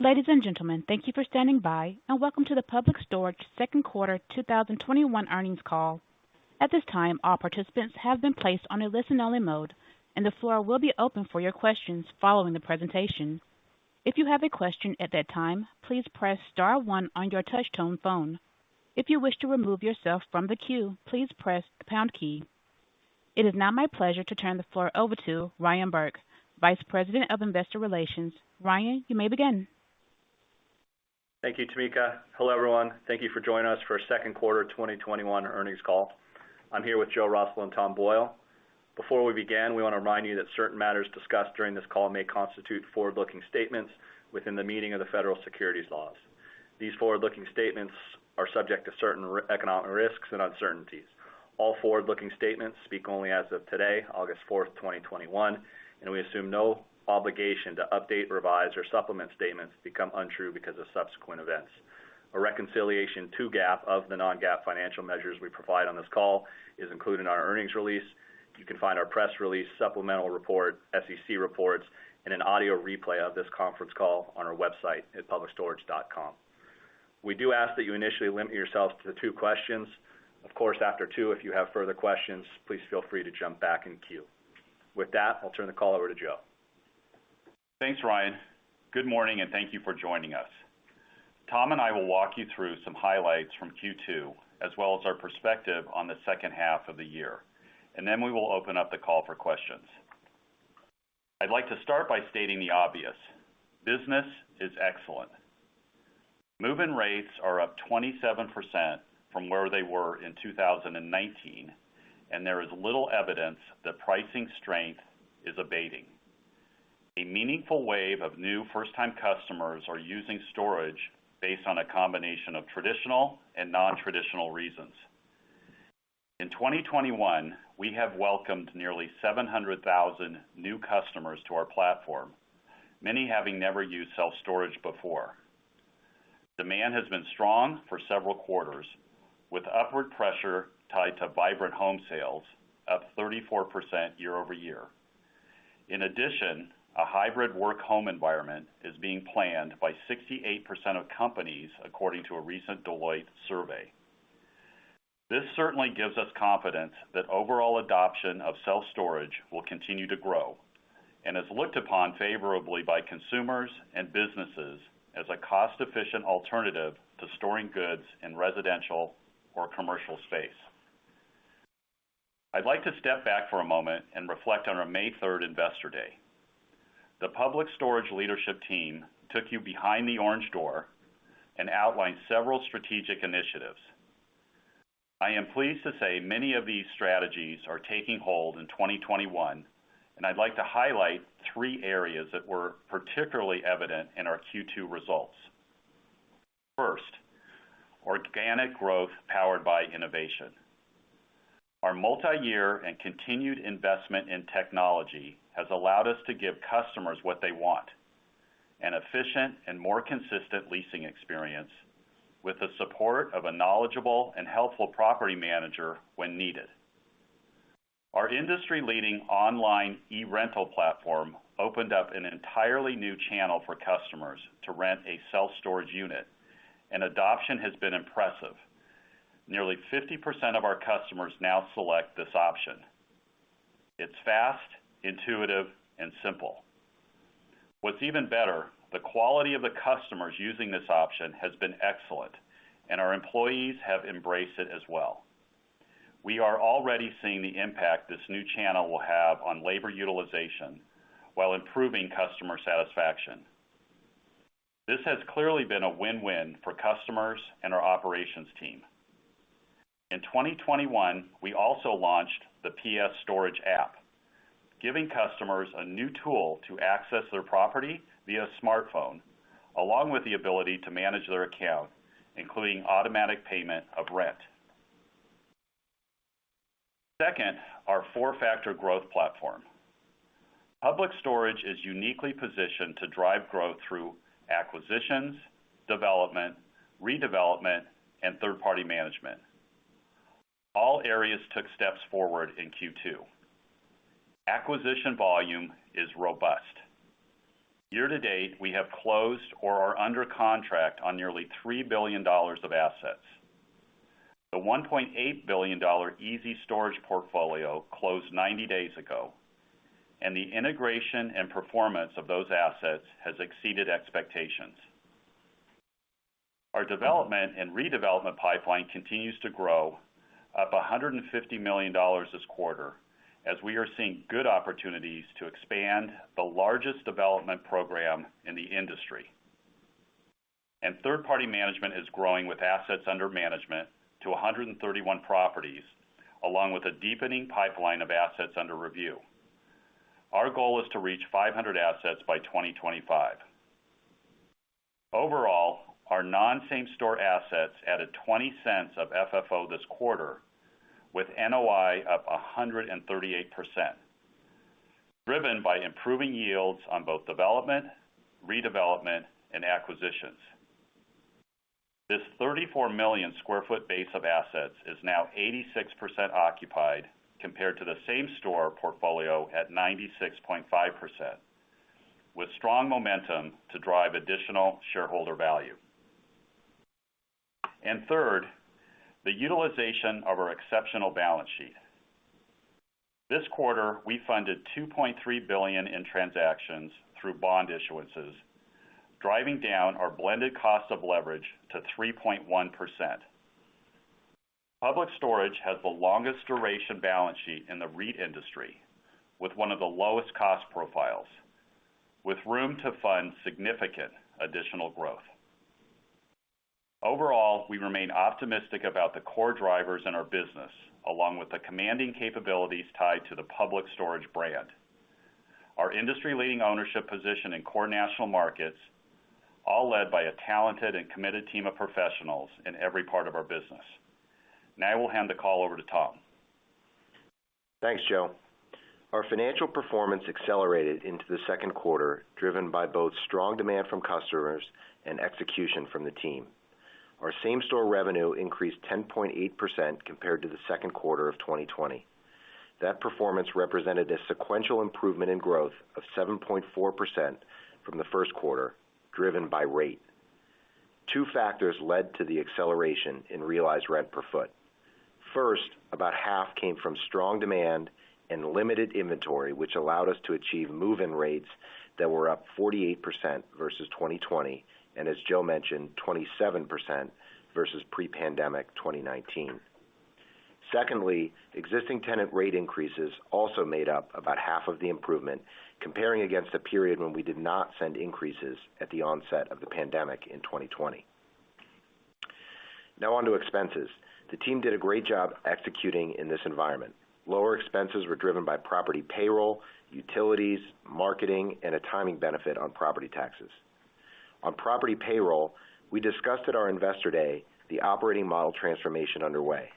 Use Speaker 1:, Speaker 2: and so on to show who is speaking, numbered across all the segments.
Speaker 1: Ladies and gentlemen, thank you for standing by, and welcome to the Public Storage Second Quarter 2021 Earnings Call. At this time, all participants have been placed on a listen only mode, and the floor will be open for your questions following the presentation. If you have a question at that time, please press star one on your touch tone phone. If you wish to remove yourself from the queue, please press the pound key. It is now my pleasure to turn the floor over to Ryan Burke, Vice President of Investor Relations. Ryan, you may begin.
Speaker 2: Thank you, Tamika. Hello, everyone. Thank you for joining us for a second quarter 2021 earnings call. I'm here with Joe Russell and Tom Boyle. Before we begin, we want to remind you that certain matters discussed during this call may constitute forward-looking statements within the meaning of the federal securities laws. These forward-looking statements are subject to certain economic risks and uncertainties. All forward-looking statements speak only as of today, August 4th, 2021, and we assume no obligation to update, revise, or supplement statements that become untrue because of subsequent events. A reconciliation to GAAP of the non-GAAP financial measures we provide on this call is included in our earnings release. You can find our press release, supplemental report, SEC reports, and an audio replay of this conference call on our website at publicstorage.com. We do ask that you initially limit yourself to two questions. Of course, after two, if you have further questions, please feel free to jump back in queue. With that, I'll turn the call over to Joe.
Speaker 3: Thanks, Ryan. Good morning, and thank you for joining us. Tom and I will walk you through some highlights from Q2, as well as our perspective on the second half of the year, and then we will open up the call for questions. I'd like to start by stating the obvious, business is excellent. Move-in rates are up 27% from where they were in 2019, and there is little evidence that pricing strength is abating. A meaningful wave of new first time customers are using storage based on a combination of traditional and non-traditional reasons. In 2021, we have welcomed nearly 700,000 new customers to our platform, many having never used self-storage before. Demand has been strong for several quarters, with upward pressure tied to vibrant home sales up 34% year-over-year. In addition, a hybrid work home environment is being planned by 68% of companies, according to a recent Deloitte survey. This certainly gives us confidence that overall adoption of self-storage will continue to grow and is looked upon favorably by consumers and businesses as a cost-efficient alternative to storing goods in residential or commercial space. I'd like to step back for a moment and reflect on our May 3rd investor day. The Public Storage leadership team took you behind the orange door and outlined several strategic initiatives. I am pleased to say many of these strategies are taking hold in 2021, and I'd like to highlight three areas that were particularly evident in our Q2 results. First, organic growth powered by innovation. Our multi-year and continued investment in technology has allowed us to give customers what they want, an efficient and more consistent leasing experience with the support of a knowledgeable and helpful property manager when needed. Our industry leading online eRental platform opened up an entirely new channel for customers to rent a self-storage unit, and adoption has been impressive. Nearly 50% of our customers now select this option. It's fast, intuitive, and simple. What's even better, the quality of the customers using this option has been excellent, and our employees have embraced it as well. We are already seeing the impact this new channel will have on labor utilization while improving customer satisfaction. This has clearly been a win-win for customers and our operations team. In 2021, we also launched the PS Storage App, giving customers a new tool to access their property via smartphone, along with the ability to manage their account, including automatic payment of rent. Second, our four-factor growth platform. Public Storage is uniquely positioned to drive growth through acquisitions, development, redevelopment, and third-party management. All areas took steps forward in Q2. Acquisition volume is robust. Year to date, we have closed or are under contract on nearly $3 billion of assets. The $1.8 billion ezStorage portfolio closed 90 days ago, and the integration and performance of those assets has exceeded expectations. Our development and redevelopment pipeline continues to grow, up $150 million this quarter, as we are seeing good opportunities to expand the largest development program in the industry. Third party management is growing with assets under management to 131 properties, along with a deepening pipeline of assets under review. Our goal is to reach 500 assets by 2025. Overall, our non-same store assets added $0.20 of FFO this quarter with NOI up 138%, driven by improving yields on both development, redevelopment, and acquisitions. This 34 million sq ft base of assets is now 86% occupied, compared to the same-store portfolio at 96.5%, with strong momentum to drive additional shareholder value. Third, the utilization of our exceptional balance sheet. This quarter, we funded $2.3 billion in transactions through bond issuances, driving down our blended cost of leverage to 3.1%. Public Storage has the longest duration balance sheet in the REIT industry, with one of the lowest cost profiles, with room to fund significant additional growth. Overall, we remain optimistic about the core drivers in our business, along with the commanding capabilities tied to the Public Storage brand. Our industry-leading ownership position in core national markets, all led by a talented and committed team of professionals in every part of our business. Now I will hand the call over to Tom.
Speaker 4: Thanks, Joe. Our financial performance accelerated into the second quarter, driven by both strong demand from customers and execution from the team. Our same-store revenue increased 10.8% compared to the second quarter of 2020. That performance represented a sequential improvement in growth of 7.4% from the first quarter, driven by rate. Two factors led to the acceleration in realized rent per foot. First, about half came from strong demand and limited inventory, which allowed us to achieve move-in rates that were up 48% versus 2020, and as Joe mentioned, 27% versus pre-pandemic 2019. Secondly, existing tenant rate increases also made up about half of the improvement, comparing against a period when we did not send increases at the onset of the pandemic in 2020. Now on to expenses. The team did a great job executing in this environment. Lower expenses were driven by property payroll, utilities, marketing, and a timing benefit on property taxes. On property payroll, we discussed at our Investor Day the operating model transformation underway.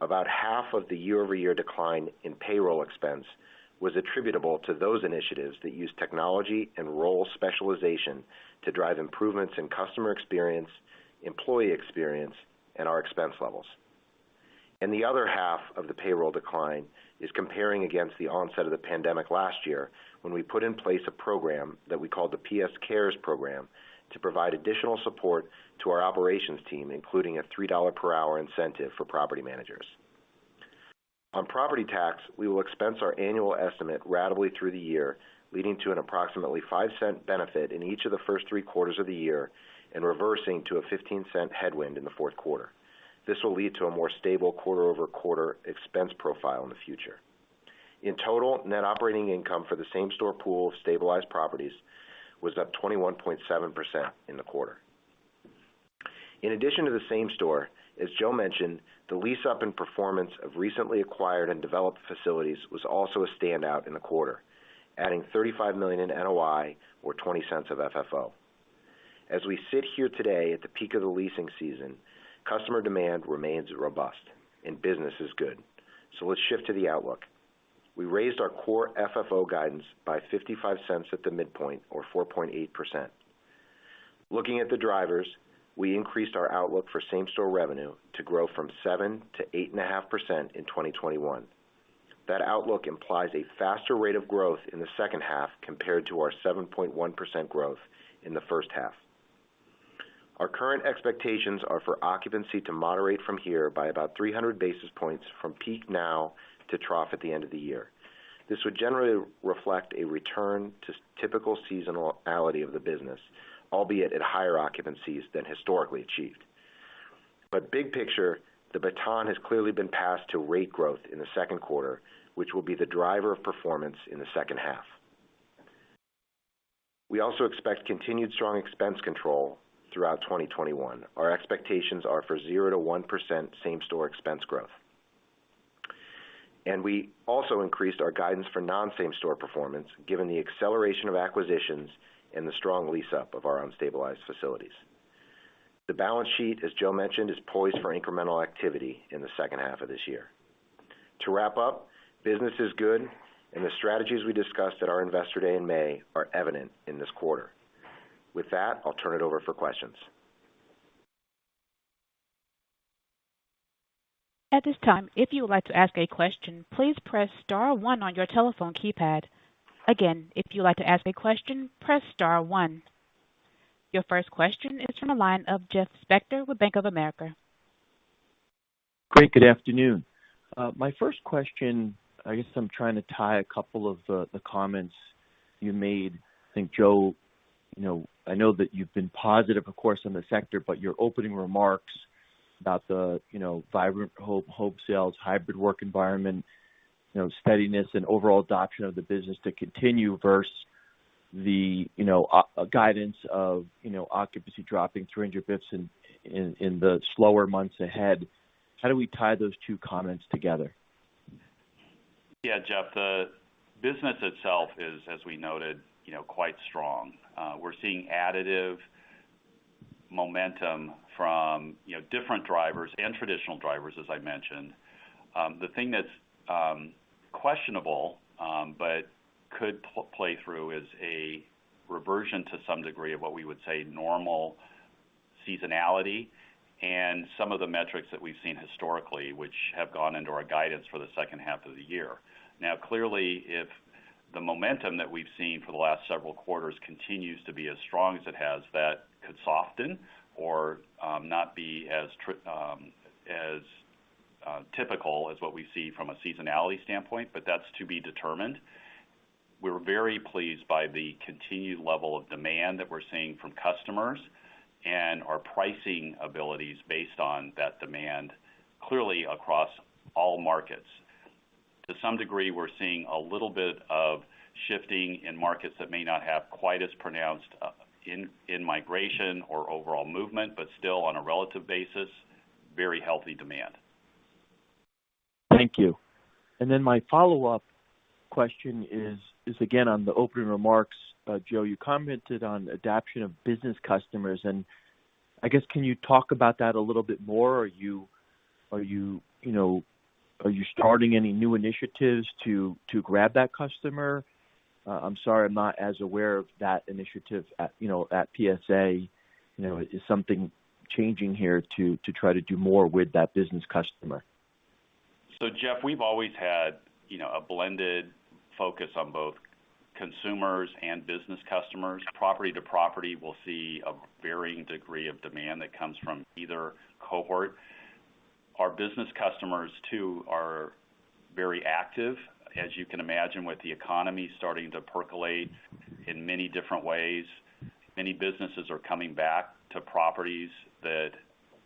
Speaker 4: About half of the year-over-year decline in payroll expense was attributable to those initiatives that use technology and role specialization to drive improvements in customer experience, employee experience, and our expense levels. The other half of the payroll decline is comparing against the onset of the pandemic last year, when we put in place a program that we called the PS Cares program to provide additional support to our operations team, including a $3 per hour incentive for property managers. On property tax, we will expense our annual estimate ratably through the year, leading to an approximately $0.05 benefit in each of the first three quarters of the year and reversing to a $0.15 headwind in the fourth quarter. This will lead to a more stable quarter-over-quarter expense profile in the future. In total, net operating income for the same-store pool of stabilized properties was up 21.7% in the quarter. In addition to the same store, as Joe mentioned, the lease-up and performance of recently acquired and developed facilities was also a standout in the quarter, adding $35 million in NOI, or $0.20 of FFO. As we sit here today at the peak of the leasing season, customer demand remains robust and business is good. Let's shift to the outlook. We raised our core FFO guidance by $0.55 at the midpoint, or 4.8%. Looking at the drivers, we increased our outlook for same-store revenue to grow from 7%-8.5% in 2021. That outlook implies a faster rate of growth in the second half compared to our 7.1% growth in the first half. Our current expectations are for occupancy to moderate from here by about 300 basis points from peak now to trough at the end of the year. This would generally reflect a return to typical seasonality of the business, albeit at higher occupancies than historically achieved. Big picture, the baton has clearly been passed to rate growth in the second quarter, which will be the driver of performance in the second half. We also expect continued strong expense control throughout 2021. Our expectations are for 0%-1% same-store expense growth. We also increased our guidance for non-same-store performance, given the acceleration of acquisitions and the strong lease-up of our unstabilized facilities. The balance sheet, as Joe mentioned, is poised for incremental activity in the second half of this year. To wrap up, business is good, and the strategies we discussed at our Investor Day in May are evident in this quarter. With that, I'll turn it over for questions.
Speaker 1: At this time, if you would like to ask a question, please press star one on your telephone keypad. Again, if you'd like to ask a question, press star one. Your first question is from the line of Jeff Spector with Bank of America.
Speaker 5: Great. Good afternoon. My first question, I guess I'm trying to tie a couple of the comments you made. I think, Joe, I know that you've been positive, of course, on the sector, your opening remarks about the vibrant home sales, hybrid work environment, steadiness and overall adoption of the business to continue versus the guidance of occupancy dropping 300 basis points in the slower months ahead. How do we tie those two comments together?
Speaker 3: Yeah, Jeff, the business itself is, as we noted, quite strong. We're seeing additive momentum from different drivers and traditional drivers, as I mentioned. The thing that's questionable, but could play through as a reversion to some degree of what we would say normal seasonality and some of the metrics that we've seen historically, which have gone into our guidance for the second half of the year. Clearly, if the momentum that we've seen for the last several quarters continues to be as strong as it has, that could soften or not be as typical as what we see from a seasonality standpoint, but that's to be determined. We're very pleased by the continued level of demand that we're seeing from customers and our pricing abilities based on that demand, clearly across all markets. To some degree, we're seeing a little bit of shifting in markets that may not have quite as pronounced in migration or overall movement, but still on a relative basis, very healthy demand.
Speaker 5: Thank you. My follow-up question is again on the opening remarks. Joe, you commented on adaptation of business customers, and I guess, can you talk about that a little bit more? Are you starting any new initiatives to grab that customer? I'm sorry, I'm not as aware of that initiative at PSA. Is something changing here to try to do more with that business customer?
Speaker 3: Jeff, we've always had a blended focus on both consumers and business customers. Property to property, we'll see a varying degree of demand that comes from either cohort. Our business customers too are very active. As you can imagine, with the economy starting to percolate in many different ways, many businesses are coming back to properties that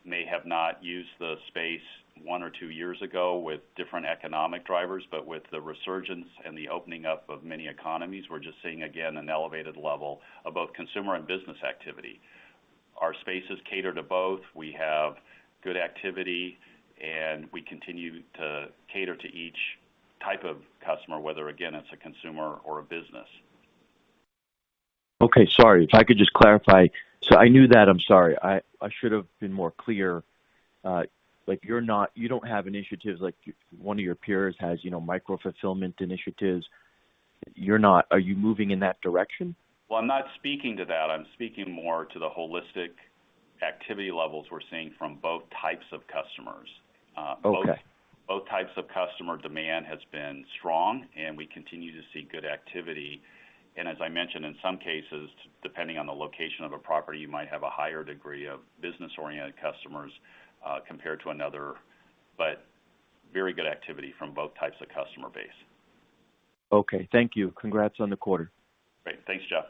Speaker 3: may have not used the space one or two years ago with different economic drivers. With the resurgence and the opening up of many economies, we're just seeing, again, an elevated level of both consumer and business activity. Our spaces cater to both. We have good activity, and we continue to cater to each type of customer, whether, again, it's a consumer or a business.
Speaker 5: Okay, sorry. If I could just clarify. I knew that. I'm sorry. I should have been more clear. You don't have initiatives like one of your peers has, micro fulfillment initiatives. Are you moving in that direction?
Speaker 3: Well, I'm not speaking to that. I'm speaking more to the holistic activity levels we're seeing from both types of customers.
Speaker 5: Okay.
Speaker 3: Both types of customer demand has been strong, and we continue to see good activity. As I mentioned, in some cases, depending on the location of a property, you might have a higher degree of business-oriented customers compared to another. Very good activity from both types of customer base.
Speaker 5: Okay. Thank you. Congrats on the quarter.
Speaker 3: Great. Thanks, Jeff.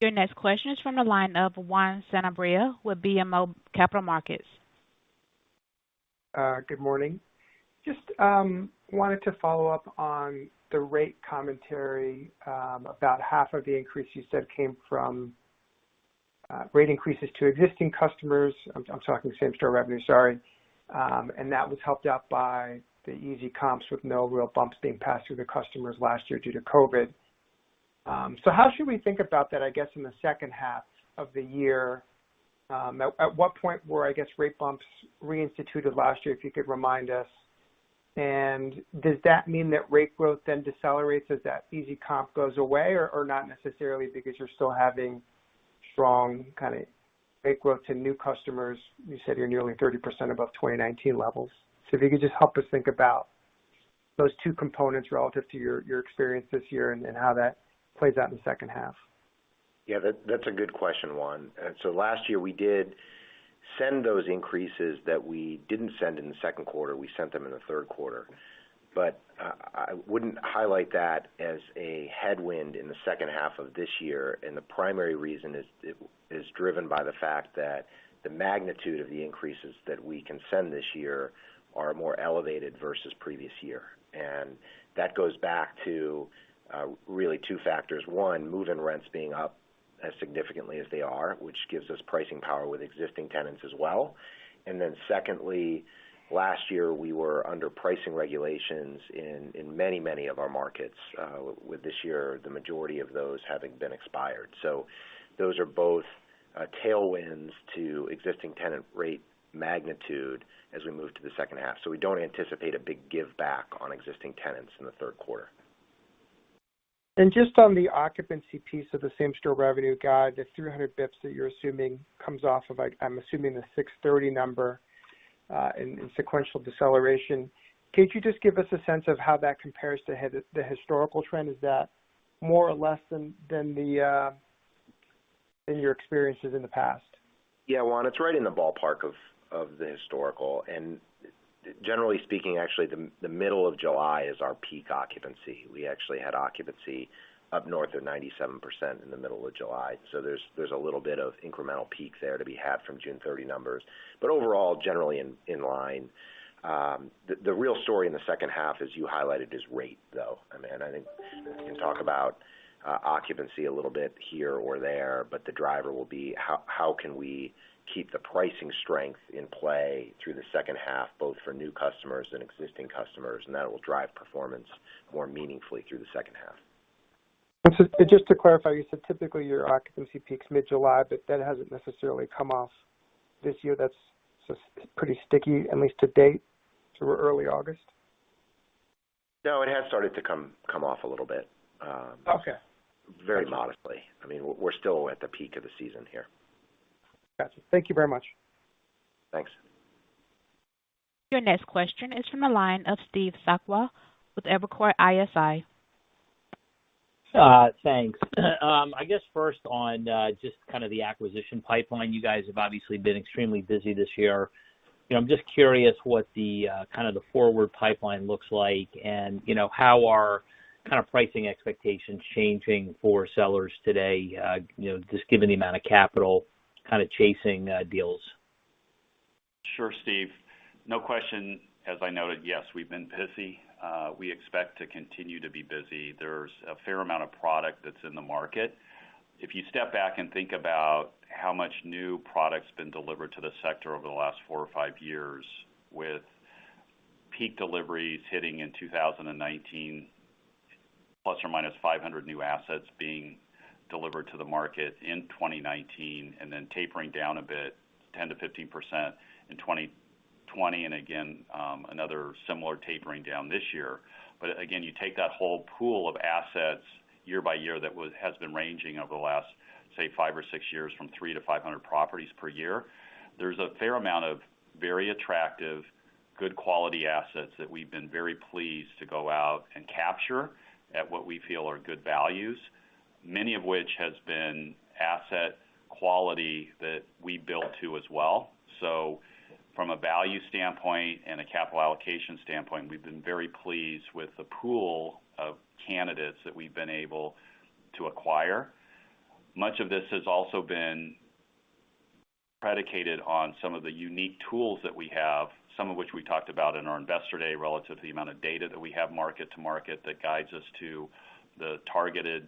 Speaker 1: Your next question is from the line of Juan Sanabria with BMO Capital Markets.
Speaker 6: Good morning. Just wanted to follow up on the rate commentary. About half of the increase you said came from rate increases to existing customers. I'm talking same-store revenue, sorry. That was helped out by the easy comps with no real bumps being passed through to customers last year due to COVID. How should we think about that, I guess, in the second half of the year? At what point were rate bumps reinstituted last year, if you could remind us? Does that mean that rate growth then decelerates as that easy comp goes away, or not necessarily because you're still having strong kind of rate growth to new customers? You said you're nearly 30% above 2019 levels. If you could just help us think about those two components relative to your experience this year and how that plays out in the second half.
Speaker 3: Yeah, that's a good question, Juan. Last year, we did send those increases that we didn't send in the second quarter. We sent them in the third quarter. I wouldn't highlight that as a headwind in the second half of this year, and the primary reason is driven by the fact that the magnitude of the increases that we can send this year are more elevated versus previous year. That goes back to really two factors. One, move-in rents being up as significantly as they are, which gives us pricing power with existing tenants as well. Secondly, last year, we were under pricing regulations in many of our markets, with this year, the majority of those having been expired. Those are both tailwinds to existing tenant rate magnitude as we move to the second half. We don't anticipate a big giveback on existing tenants in the third quarter.
Speaker 6: Just on the occupancy piece of the same-store revenue guide, the 300 basis points that you're assuming comes off of, I'm assuming, the 630 number in sequential deceleration. Can you just give us a sense of how that compares to the historical trend? Is that more or less than your experiences in the past?
Speaker 4: Yeah, Juan, it's right in the ballpark of the historical. Generally speaking, actually, the middle of July is our peak occupancy. We actually had occupancy up north of 97% in the middle of July. There's a little bit of incremental peak there to be had from June 30 numbers. Overall, generally in line. The real story in the second half, as you highlighted, is rate, though. I think you can talk about occupancy a little bit here or there, but the driver will be how can we keep the pricing strength in play through the second half, both for new customers and existing customers, and that will drive performance more meaningfully through the second half.
Speaker 6: Just to clarify, you said typically your occupancy peaks mid-July, but that hasn't necessarily come off this year. That's pretty sticky, at least to date, through early August?
Speaker 4: No, it has started to come off a little bit.
Speaker 6: Okay.
Speaker 4: Very modestly. We're still at the peak of the season here.
Speaker 6: Got you. Thank you very much.
Speaker 4: Thanks.
Speaker 1: Your next question is from the line of Steve Sakwa with Evercore ISI.
Speaker 7: Thanks. I guess first on just kind of the acquisition pipeline. You guys have obviously been extremely busy this year. I'm just curious what the forward pipeline looks like and how are kind of pricing expectations changing for sellers today, just given the amount of capital kind of chasing deals?
Speaker 3: Sure, Steve. No question, as I noted, yes, we've been busy. We expect to continue to be busy. There's a fair amount of product that's in the market. If you step back and think about how much new product's been delivered to the sector over the last four or five years, with peak deliveries hitting in 2019, ±500 new assets being delivered to the market in 2019, and then tapering down a bit, 10%-15% in 2020, and again, another similar tapering down this year. Again, you take that whole pool of assets year by year that has been ranging over the last, say, five or six years from three to 500 properties per year, there's a fair amount of very attractive, good quality assets that we've been very pleased to go out and capture at what we feel are good values, many of which has been asset quality that we build to as well. From a value standpoint and a capital allocation standpoint, we've been very pleased with the pool of candidates that we've been able to acquire. Much of this has also been predicated on some of the unique tools that we have, some of which we talked about in our investor day relative to the amount of data that we have market to market that guides us to the targeted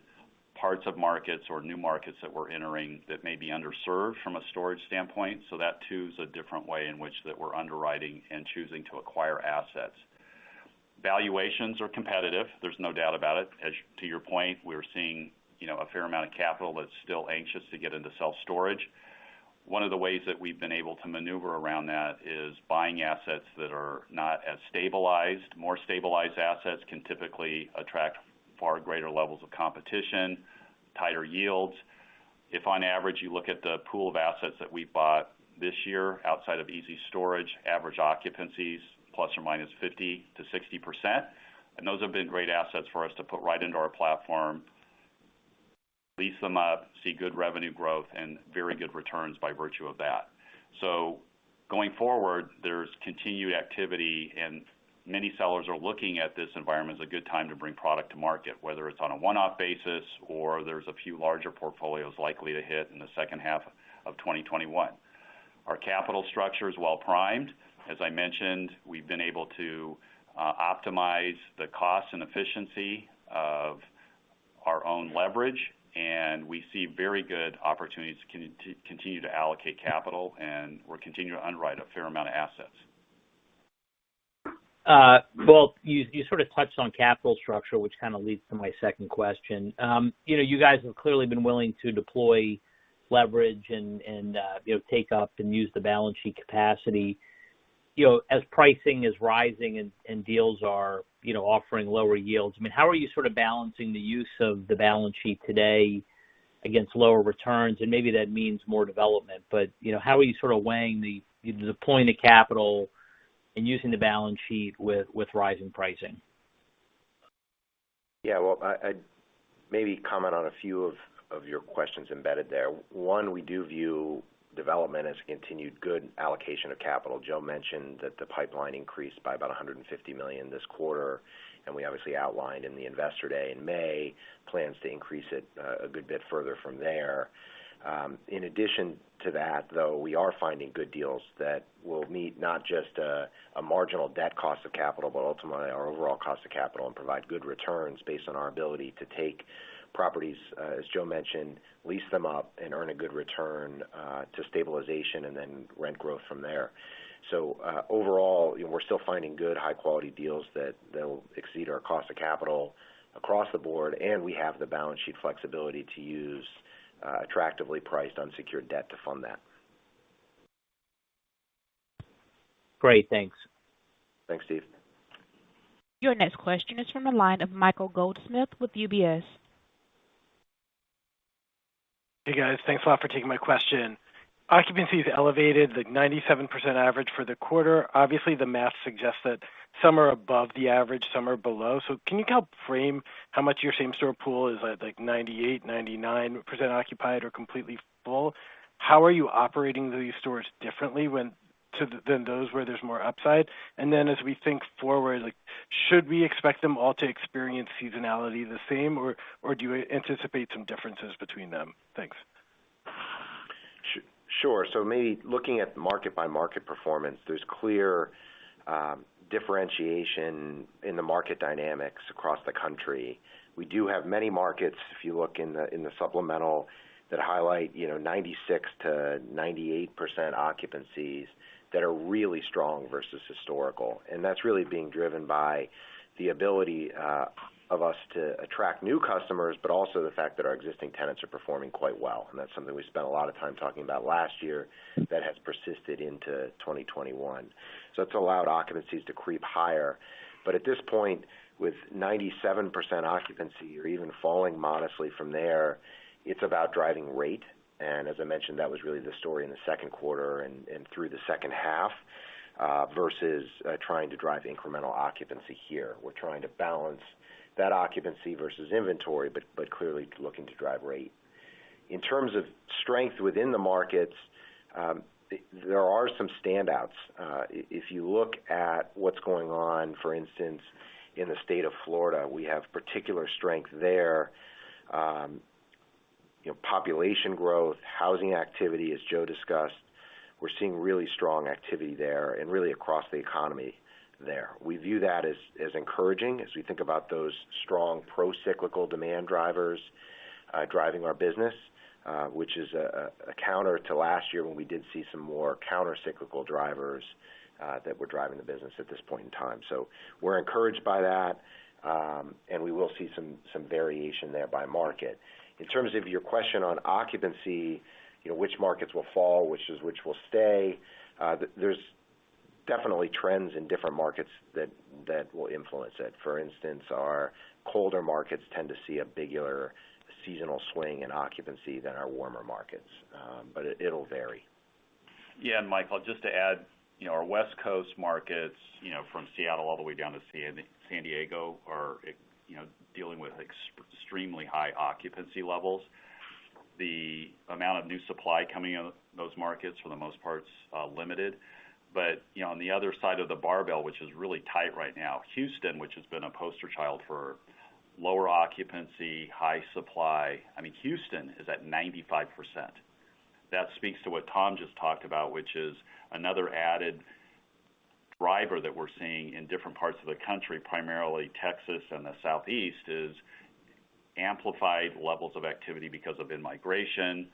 Speaker 3: parts of markets or new markets that we're entering that may be underserved from a storage standpoint. That too is a different way in which that we're underwriting and choosing to acquire assets. Valuations are competitive, there's no doubt about it. To your point, we're seeing a fair amount of capital that's still anxious to get into self-storage. One of the ways that we've been able to maneuver around that is buying assets that are not as stabilized. More stabilized assets can typically attract far greater levels of competition, tighter yields. If on average you look at the pool of assets that we've bought this year outside of ezStorage, average occupancies ±50%-60%, and those have been great assets for us to put right into our platform, lease them up, see good revenue growth, and very good returns by virtue of that. Going forward, there's continued activity and many sellers are looking at this environment as a good time to bring product to market, whether it's on a one-off basis or there's a few larger portfolios likely to hit in the second half of 2021. Our capital structure is well primed. As I mentioned, we've been able to optimize the cost and efficiency of our own leverage, and we see very good opportunities to continue to allocate capital, and we're continuing to underwrite a fair amount of assets.
Speaker 7: Well, you sort of touched on capital structure, which kind of leads to my second question? You guys have clearly been willing to deploy leverage and take up and use the balance sheet capacity. As pricing is rising and deals are offering lower yields, how are you sort of balancing the use of the balance sheet today against lower returns? Maybe that means more development, but how are you sort of weighing the deploying the capital and using the balance sheet with rising pricing?
Speaker 4: Well, I'd maybe comment on a few of your questions embedded there. We do view development as a continued good allocation of capital. Joe mentioned that the pipeline increased by about $150 million this quarter, and we obviously outlined in the investor day in May plans to increase it a good bit further from there. In addition to that, though, we are finding good deals that will meet not just a marginal debt cost of capital, but ultimately our overall cost of capital and provide good returns based on our ability to take properties, as Joe mentioned, lease them up and earn a good return to stabilization and then rent growth from there. Overall, we're still finding good high-quality deals that'll exceed our cost of capital across the board, and we have the balance sheet flexibility to use attractively priced unsecured debt to fund that.
Speaker 7: Great. Thanks.
Speaker 4: Thanks, Steve.
Speaker 1: Your next question is from the line of Michael Goldsmith with UBS.
Speaker 8: Hey, guys. Thanks a lot for taking my question. Occupancy is elevated, like 97% average for the quarter. Obviously, the math suggests that some are above the average, some are below. Can you help frame how much your same-store pool is at, like 98%-99% occupied or completely full? How are you operating these stores differently than those where there's more upside? As we think forward, should we expect them all to experience seasonality the same, or do you anticipate some differences between them? Thanks.
Speaker 4: Sure. Maybe looking at market-by-market performance, there's clear differentiation in the market dynamics across the country. We do have many markets, if you look in the supplemental, that highlight 96%-98% occupancies that are really strong versus historical. That's really being driven by the ability of us to attract new customers, but also the fact that our existing tenants are performing quite well. That's something we spent a lot of time talking about last year that has persisted into 2021. It's allowed occupancies to creep higher. At this point, with 97% occupancy or even falling modestly from there, it's about driving rate. As I mentioned, that was really the story in the second quarter and through the second half, versus trying to drive incremental occupancy here. We're trying to balance that occupancy versus inventory, but clearly looking to drive rate. In terms of strength within the markets, there are some standouts. If you look at what's going on, for instance, in the state of Florida, we have particular strength there. Population growth, housing activity, as Joe discussed, we're seeing really strong activity there and really across the economy there. We view that as encouraging as we think about those strong pro-cyclical demand drivers driving our business, which is a counter to last year when we did see some more counter-cyclical drivers that were driving the business at this point in time. We're encouraged by that, and we will see some variation there by market. In terms of your question on occupancy, which markets will fall, which will stay, there's definitely trends in different markets that will influence it. For instance, our colder markets tend to see a bigger seasonal swing in occupancy than our warmer markets. It'll vary.
Speaker 3: Michael, just to add, our West Coast markets from Seattle all the way down to San Diego are dealing with extremely high occupancy levels. The amount of new supply coming out of those markets, for the most part, is limited. On the other side of the barbell, which is really tight right now, Houston, which has been a poster child for lower occupancy, high supply, Houston is at 95%. That speaks to what Tom just talked about, which is another added driver that we're seeing in different parts of the country, primarily Texas and the Southeast, is amplified levels of activity because of in-migration,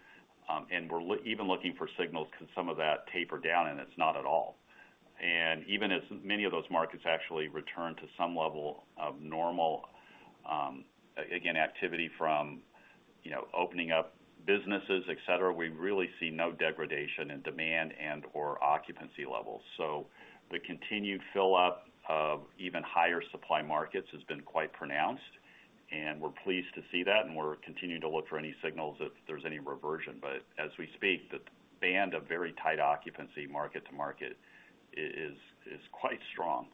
Speaker 3: and we're even looking for signals because some of that taper down, and it's not at all. Even as many of those markets actually return to some level of normal, again, activity from opening up businesses, et cetera, we really see no degradation in demand and/or occupancy levels. The continued fill-up of even higher supply markets has been quite pronounced, and we're pleased to see that, and we're continuing to look for any signals if there's any reversion. As we speak, the band of very tight occupancy market to market is quite strong.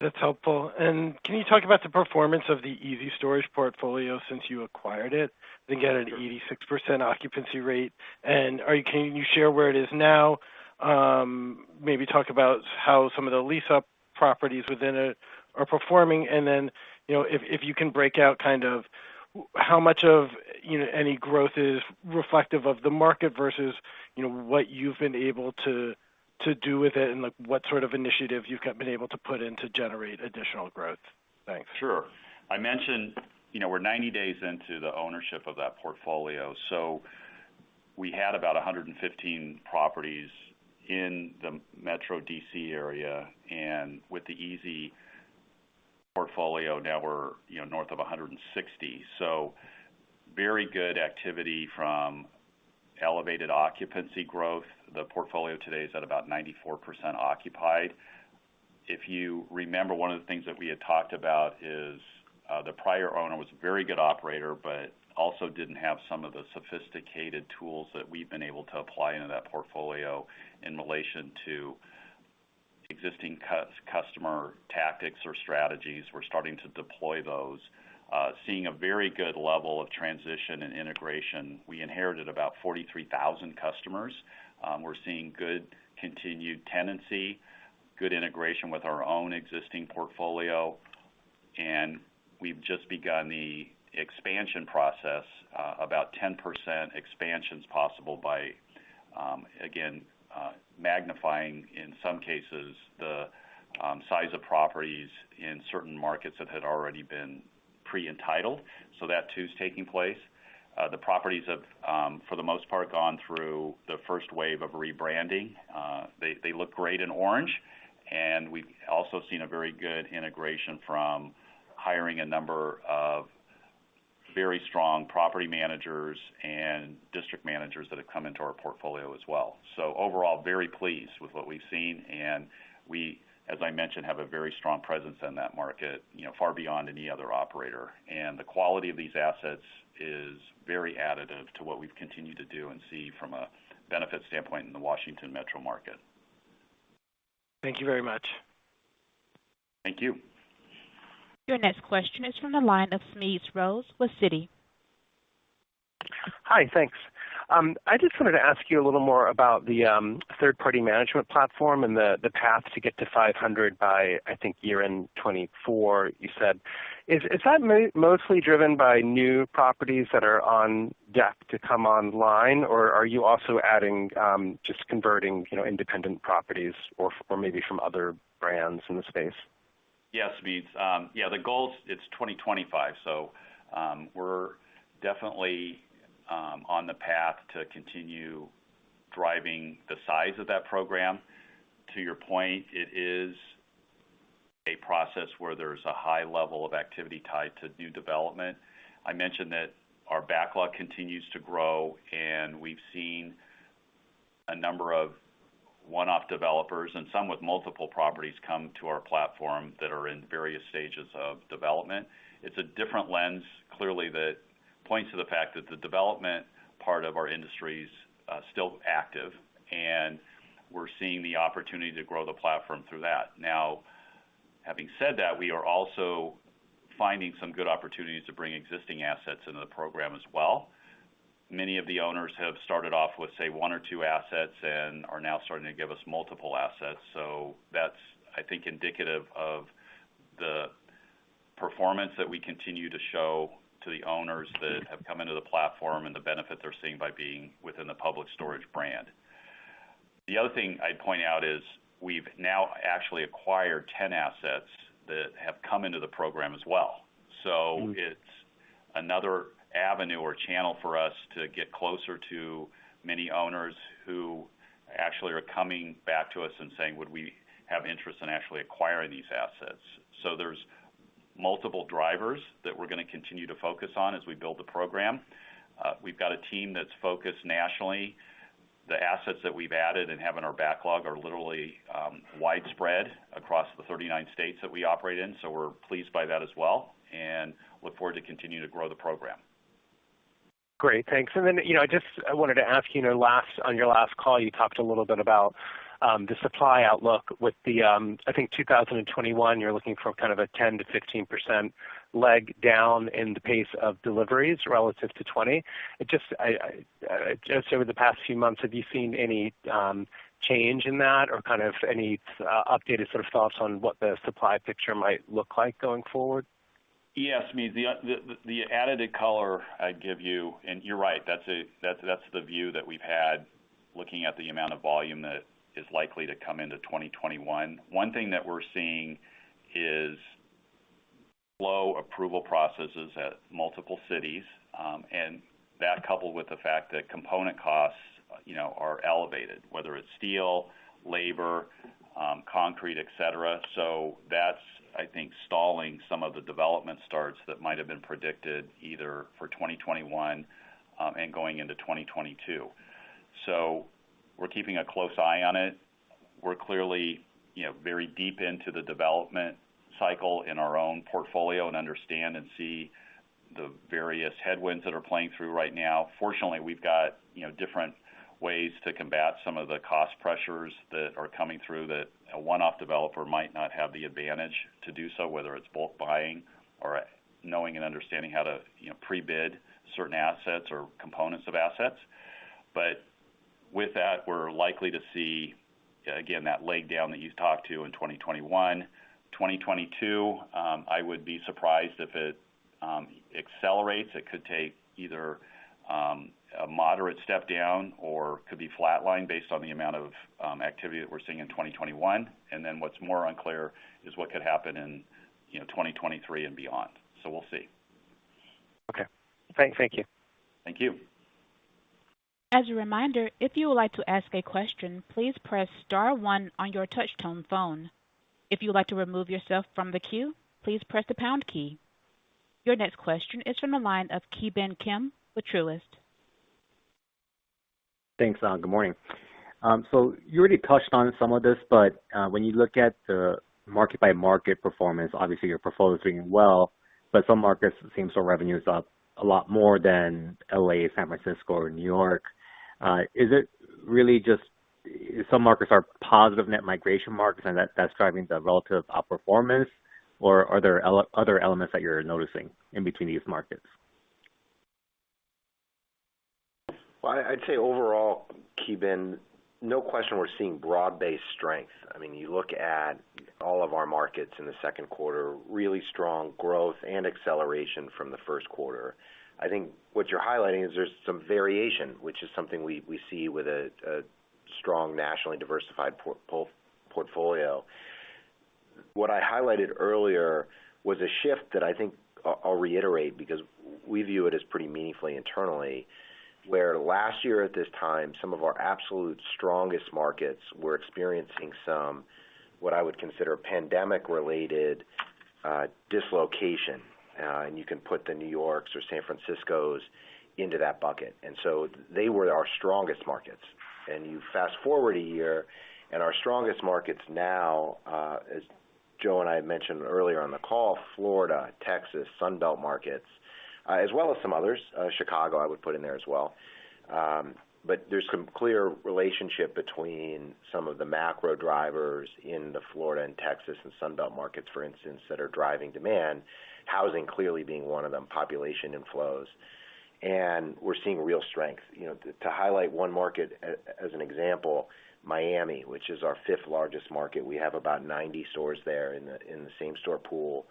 Speaker 8: That's helpful. Can you talk about the performance of the ezStorage portfolio since you acquired it? Again, at an 86% occupancy rate. Can you share where it is now? Maybe talk about how some of the lease-up properties within it are performing, if you can break out how much of any growth is reflective of the market versus what you've been able to do with it and what sort of initiative you've been able to put in to generate additional growth. Thanks.
Speaker 3: Sure. I mentioned we're 90 days into the ownership of that portfolio. We had about 115 properties in the Metro D.C. area, and with the ezStorage portfolio, now we're north of 160. Very good activity from elevated occupancy growth. The portfolio today is at about 94% occupied. If you remember, one of the things that we had talked about is the prior owner was a very good operator, but also didn't have some of the sophisticated tools that we've been able to apply into that portfolio in relation to existing customer tactics or strategies. We're starting to deploy those. Seeing a very good level of transition and integration. We inherited about 43,000 customers. We're seeing good, continued tenancy, good integration with our own existing portfolio, and we've just begun the expansion process. About 10% expansion's possible by, again, magnifying, in some cases, the size of properties in certain markets that had already been pre-entitled. That too is taking place. The properties have, for the most part, gone through the first wave of rebranding. They look great in orange, and we've also seen a very good integration from hiring a number of very strong property managers and district managers that have come into our portfolio as well. Overall, very pleased with what we've seen, and we, as I mentioned, have a very strong presence in that market, far beyond any other operator. The quality of these assets is very additive to what we've continued to do and see from a benefit standpoint in the Washington Metro market.
Speaker 8: Thank you very much.
Speaker 3: Thank you.
Speaker 1: Your next question is from the line of Smedes Rose with Citi.
Speaker 9: Hi, thanks. I just wanted to ask you a little more about the third-party management platform and the path to get to 500 by, I think, year-end 2024, you said. Is that mostly driven by new properties that are on deck to come online, or are you also adding just converting independent properties or maybe from other brands in the space?
Speaker 3: Yes, Smedes. The goal it's 2025, so we're definitely on the path to continue driving the size of that program. To your point, it is a process where there's a high level of activity tied to new development. I mentioned that our backlog continues to grow, and we've seen a number of one-off developers and some with multiple properties come to our platform that are in various stages of development. It's a different lens, clearly, that points to the fact that the development part of our industry's still active, and we're seeing the opportunity to grow the platform through that. Now, having said that, we are also finding some good opportunities to bring existing assets into the program as well. Many of the owners have started off with, say, one or two assets and are now starting to give us multiple assets. That's, I think, indicative of the performance that we continue to show to the owners that have come into the platform and the benefit they're seeing by being within the Public Storage brand. The other thing I'd point out is we've now actually acquired 10 assets that have come into the program as well. It's another avenue or channel for us to get closer to many owners who actually are coming back to us and saying, "Would we have interest in actually acquiring these assets?" There's multiple drivers that we're going to continue to focus on as we build the program. We've got a team that's focused nationally. The assets that we've added and have in our backlog are literally widespread across the 39 states that we operate in, so we're pleased by that as well and look forward to continue to grow the program.
Speaker 9: Great. Thanks. I wanted to ask you, on your last call, you talked a little bit about the supply outlook with the, I think 2021, you're looking for kind of a 10%-15% leg down in the pace of deliveries relative to 2020. Just over the past few months, have you seen any change in that or kind of any updated sort of thoughts on what the supply picture might look like going forward?
Speaker 3: Yes, Smedes. The additive color I'd give you, and you're right, that's the view that we've had looking at the amount of volume that is likely to come into 2021. One thing that we're seeing is slow approval processes at multiple cities, that coupled with the fact that component costs are elevated, whether it's steel, labor, concrete, et cetera. That's, I think, stalling some of the development starts that might've been predicted either for 2021 and going into 2022. We're keeping a close eye on it. We're clearly very deep into the development cycle in our own portfolio and understand and see the various headwinds that are playing through right now. Fortunately, we've got different ways to combat some of the cost pressures that are coming through that a one-off developer might not have the advantage to do so, whether it's bulk buying or knowing and understanding how to pre-bid certain assets or components of assets. With that, we're likely to see, again, that leg down that you talked to in 2021. 2022, I would be surprised if it accelerates. It could take either a moderate step down or could be flatline based on the amount of activity that we're seeing in 2021. What's more unclear is what could happen in 2023 and beyond. We'll see.
Speaker 9: Okay. Thank you.
Speaker 3: Thank you.
Speaker 1: As a reminder, if you would like to ask a question, please press star one on your touchtone phone. If you would like to remove yourself from the queue, please press the pound key. Your next question is from the line of Ki Bin Kim with Truist.
Speaker 10: Thanks. Good morning. You already touched on some of this, but when you look at the market-by-market performance, obviously your portfolio is doing well, but some markets, same-store revenue is up a lot more than L.A., San Francisco, or New York. Is it really just some markets are positive net migration markets and that's driving the relative outperformance, or are there other elements that you're noticing in between these markets?
Speaker 4: Well, I'd say overall, Ki Bin, no question we're seeing broad-based strength. You look at all of our markets in the second quarter, really strong growth and acceleration from the first quarter. I think what you're highlighting is there's some variation, which is something we see with a strong nationally diversified portfolio. What I highlighted earlier was a shift that I think I'll reiterate because we view it as pretty meaningfully internally, where last year at this time, some of our absolute strongest markets were experiencing some, what I would consider, pandemic-related dislocation. You can put the New Yorks or San Franciscos into that bucket. They were our strongest markets. You fast-forward a year, and our strongest markets now, as Joe and I mentioned earlier on the call, Florida, Texas, Sun Belt markets, as well as some others, Chicago, I would put in there as well. There's some clear relationship between some of the macro drivers in the Florida and Texas and Sun Belt markets, for instance, that are driving demand, housing clearly being one of them, population inflows. We're seeing real strength. To highlight one market as an example, Miami, which is our fifth largest market. We have about 90 stores there in the same-store pool.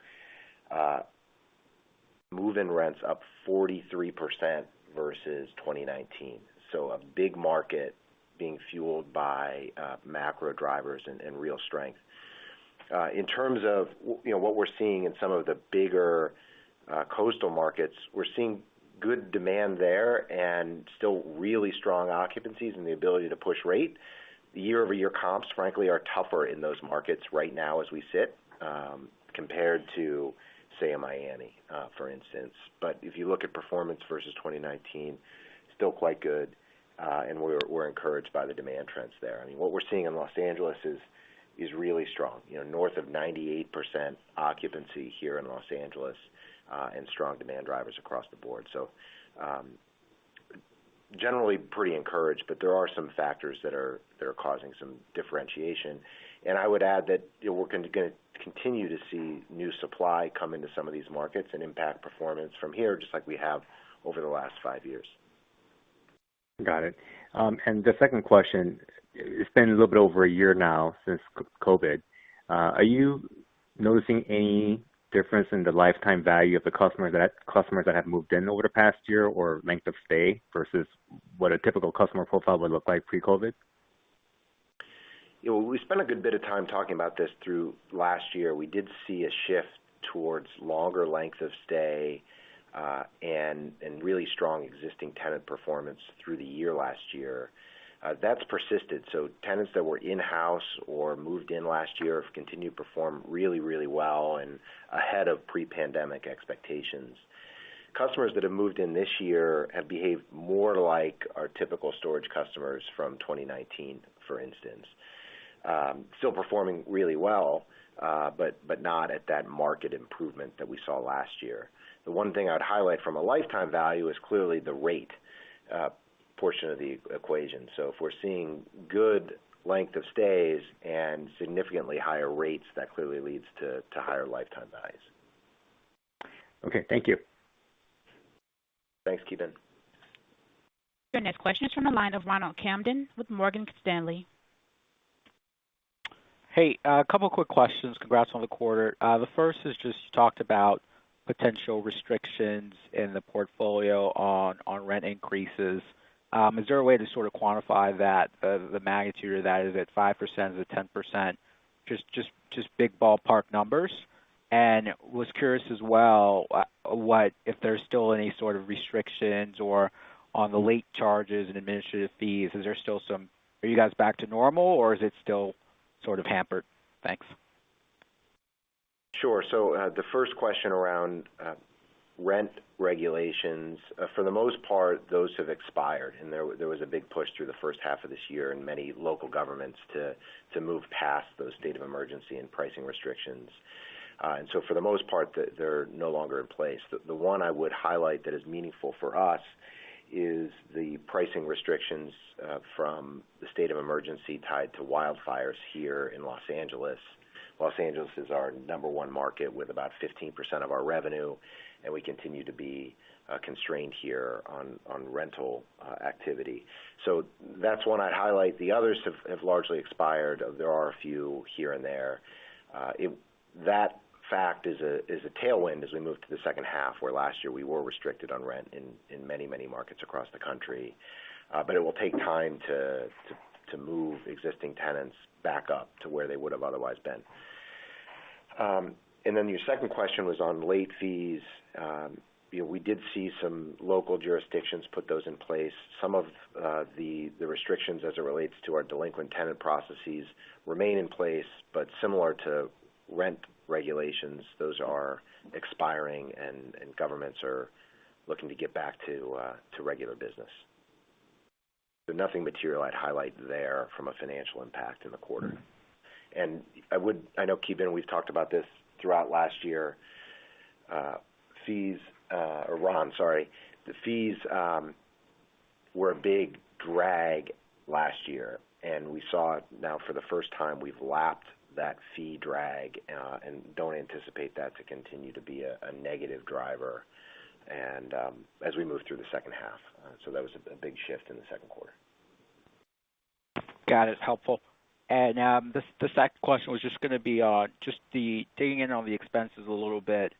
Speaker 4: Move-in rents up 43% versus 2019. A big market being fueled by macro drivers and real strength. In terms of what we're seeing in some of the bigger coastal markets, we're seeing good demand there and still really strong occupancies and the ability to push rate. The year-over-year comps, frankly, are tougher in those markets right now as we sit compared to, say, a Miami, for instance. If you look at performance versus 2019, still quite good, and we're encouraged by the demand trends there. What we're seeing in Los Angeles is really strong. North of 98% occupancy here in Los Angeles, and strong demand drivers across the board. Generally pretty encouraged, but there are some factors that are causing some differentiation. I would add that we're going to continue to see new supply come into some of these markets and impact performance from here, just like we have over the last five years.
Speaker 10: Got it. The second question, it's been a little bit over a year now since COVID. Are you noticing any difference in the lifetime value of the customers that have moved in over the past year or length of stay versus what a typical customer profile would look like pre-COVID?
Speaker 4: We spent a good bit of time talking about this through last year. We did see a shift towards longer lengths of stay, and really strong existing tenant performance through the year last year. That's persisted. Tenants that were in-house or moved in last year have continued to perform really well and ahead of pre-pandemic expectations. Customers that have moved in this year have behaved more like our typical storage customers from 2019, for instance. Still performing really well, but not at that market improvement that we saw last year. The one thing I'd highlight from a lifetime value is clearly the rate portion of the equation. If we're seeing good length of stays and significantly higher rates, that clearly leads to higher lifetime values.
Speaker 10: Okay. Thank you.
Speaker 4: Thanks, Ki Bin.
Speaker 1: Your next question is from the line of Ronald Kamdem with Morgan Stanley.
Speaker 11: Hey, a couple of quick questions. Congrats on the quarter. The first is just, you talked about potential restrictions in the portfolio on rent increases. Is there a way to sort of quantify that, the magnitude of that? Is it 5%? Is it 10%? Just big ballpark numbers. Was curious as well, if there's still any sort of restrictions or on the late charges and administrative fees, are you guys back to normal or is it still sort of hampered? Thanks.
Speaker 4: Sure. The first question around rent regulations. For the most part, those have expired, and there was a big push through the first half of this year in many local governments to move past those state of emergency and pricing restrictions. For the most part, they're no longer in place. The one I would highlight that is meaningful for us is the pricing restrictions from the state of emergency tied to wildfires here in Los Angeles. Los Angeles is our number one market with about 15% of our revenue, and we continue to be constrained here on rental activity. That's one I'd highlight. The others have largely expired. There are a few here and there. That fact is a tailwind as we move to the second half where last year, we were restricted on rent in many markets across the country. It will take time to move existing tenants back up to where they would have otherwise been. Your second question was on late fees. We did see some local jurisdictions put those in place. Some of the restrictions as it relates to our delinquent tenant processes remain in place, but similar to rent regulations, those are expiring and governments are looking to get back to regular business. Nothing material I'd highlight there from a financial impact in the quarter. I know, Ki Bin, we've talked about this throughout last year. [Or Ronald], sorry. The fees were a big drag last year, and we saw it now for the first time. We've lapped that fee drag, and don't anticipate that to continue to be a negative driver as we move through the second half. That was a big shift in the second quarter.
Speaker 11: Got it. Helpful. The second question was just going to be on just the digging in on the expenses a little bit.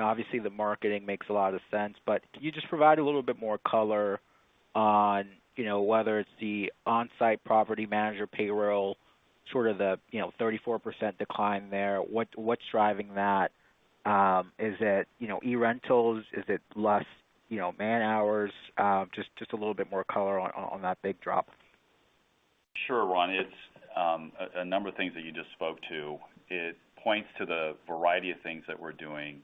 Speaker 11: Obviously, the marketing makes a lot of sense, but can you just provide a little bit more color on whether it's the on-site property manager payroll, sort of the 34% decline there? What's driving that? Is it eRental? Is it less man-hours? Just a little bit more color on that big drop.
Speaker 3: Sure, Ron. It's a number of things that you just spoke to. It points to the variety of things that we're doing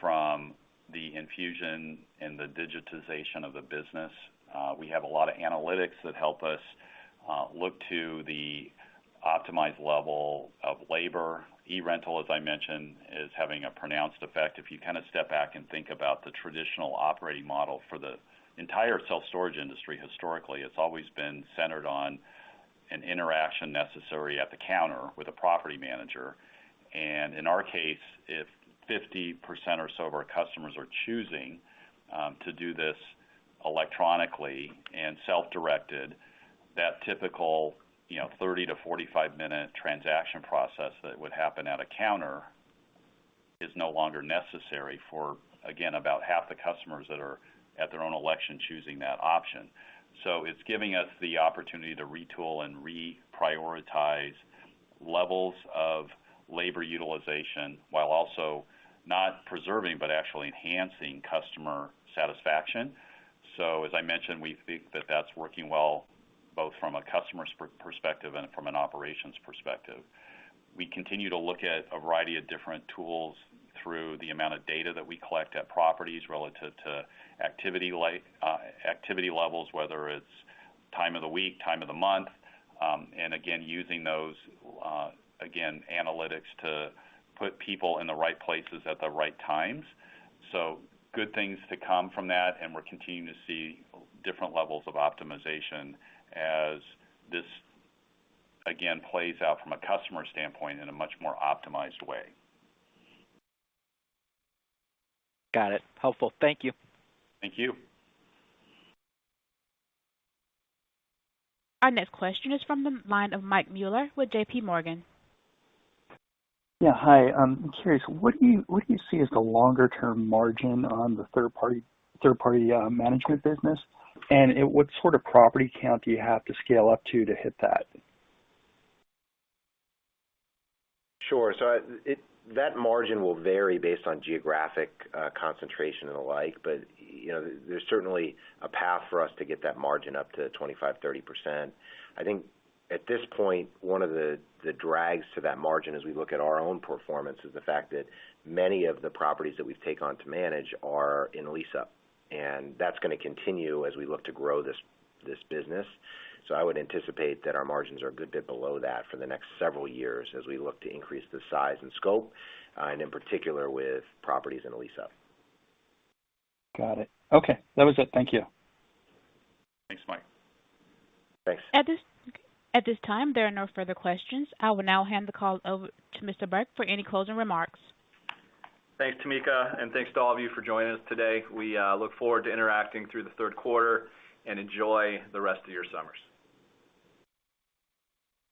Speaker 3: from the infusion and the digitization of the business. We have a lot of analytics that help us. Look to the optimized level of labor. eRental, as I mentioned, is having a pronounced effect. If you kind of step back and think about the traditional operating model for the entire self-storage industry, historically, it's always been centered on an interaction necessary at the counter with a property manager. In our case, if 50% or so of our customers are choosing to do this electronically and self-directed, that typical 30 minute-45-minute transaction process that would happen at a counter is no longer necessary for, again, about half the customers that are, at their own election, choosing that option. It's giving us the opportunity to retool and reprioritize levels of labor utilization, while also not preserving but actually enhancing customer satisfaction. As I mentioned, we think that that's working well, both from a customer's perspective and from an operations perspective. We continue to look at a variety of different tools through the amount of data that we collect at properties relative to activity levels, whether it's time of the week, time of the month, and again, using those analytics to put people in the right places at the right times. Good things to come from that, and we're continuing to see different levels of optimization as this, again, plays out from a customer standpoint in a much more optimized way.
Speaker 11: Got it. Helpful. Thank you.
Speaker 3: Thank you.
Speaker 1: Our next question is from the line of Michael Mueller with J.P. Morgan.
Speaker 12: Yeah. Hi. I'm curious, what do you see as the longer-term margin on the third-party management business? What sort of property count do you have to scale up to hit that?
Speaker 3: Sure. That margin will vary based on geographic concentration and the like, but there's certainly a path for us to get that margin up to 25%-30%. I think at this point, one of the drags to that margin as we look at our own performance is the fact that many of the properties that we've taken on to manage are in lease-up, and that's going to continue as we look to grow this business. I would anticipate that our margins are a good bit below that for the next several years as we look to increase the size and scope, and in particular with properties in lease-up.
Speaker 12: Got it. Okay. That was it. Thank you.
Speaker 3: Thanks, Mike.
Speaker 12: Thanks.
Speaker 1: At this time, there are no further questions. I will now hand the call over to Mr. Burke for any closing remarks.
Speaker 2: Thanks, Tamika, and thanks to all of you for joining us today. We look forward to interacting through the third quarter, and enjoy the rest of your summers.